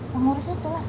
pengurus itu lah